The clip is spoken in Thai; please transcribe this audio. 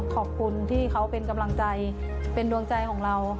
ขอบคุณที่เขาเป็นกำลังใจเป็นดวงใจของเรา